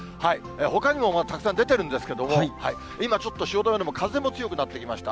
ほかにもたくさん出ているんですけれども、今ちょっと汐留でも風も強くなってきました。